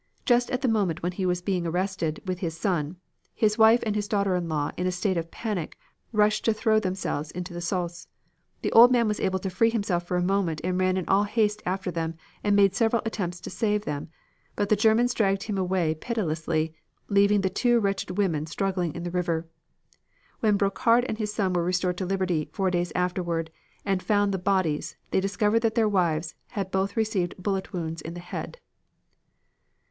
Just at the moment when he was being arrested with his son, his wife and his daughter in law in a state of panic rushed to throw themselves into the Saulx. The old man was able to free himself for a moment and ran in all haste after them and made several attempts to save them, but the Germans dragged him away pitilessly, leaving the two wretched women struggling in the river. When Brocard and his son were restored to liberty, four days afterward, and found the bodies, they discovered that their wives had both received bullet wounds in the head.